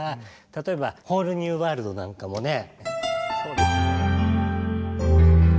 例えば「ホール・ニュー・ワールド」なんかもね。